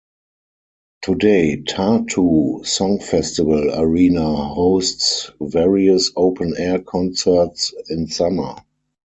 Today Tartu Song Festival arena hosts various open-air concerts in summer.